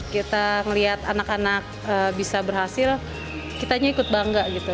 kita melihat anak anak bisa berhasil kitanya ikut bangga gitu